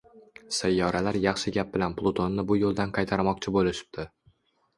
Sayyoralar yaxshi gap bilan Plutonni bu yoʻldan qaytarmoqchi boʻlishibdi